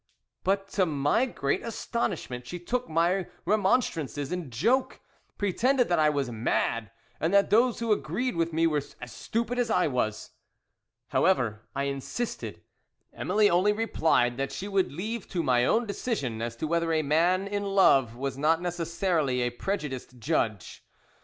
"But to my great astonishment she took my remonstrances in joke, pretended that I was mad, and that those who agreed with me were as stupid as I was. "However, I insisted. "Emily only replied, that she would leave to my own decision as to whether a man in love was not necessarily a prejudiced judge.